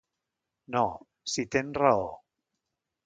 No... si tens raó.